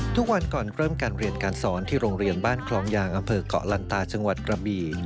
ทุกวันก่อนเริ่มการเรียนการสอนที่โรงเรียนบ้านคลองยางอำเภอกเกาะลันตาจังหวัดกระบี่